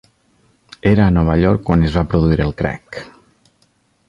Era a Nova York quan es va produir el crac.